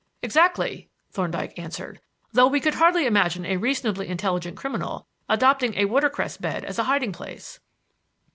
"Exactly," Thorndyke answered, "though we could hardly imagine a reasonably intelligent criminal adopting a watercress bed as a hiding place.